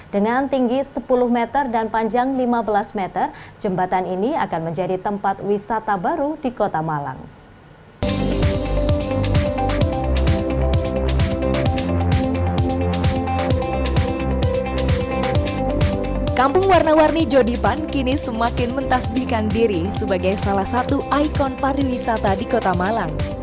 dengan tinggi sepuluh meter dan panjang lima belas meter jembatan ini akan menjadi tempat wisata baru di kota malang